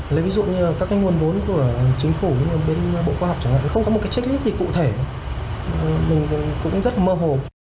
lấy ví dụ như các nguồn vốn của chính phủ bên bộ khoa học chẳng hạn không có một cái checklist gì cụ thể mình cũng rất là mơ hồ